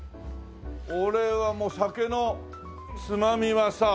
俺はもう酒のつまみはさ。